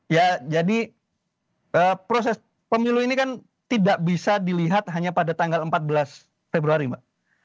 ya jadi proses pemilu ini kan tidak bisa dilihat hanya pada tanggal empat belas februari mbak